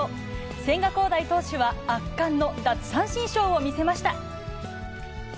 千賀滉大投手は、圧巻の奪三振ショーを見せました。